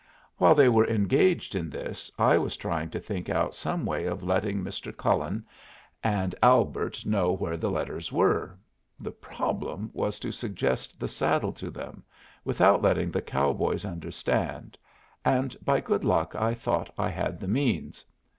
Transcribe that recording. While they were engaged in this, I was trying to think out some way of letting Mr. Cullen and Albert know where the letters were. The problem was to suggest the saddle to them, without letting the cowboys understand, and by good luck I thought I had the means.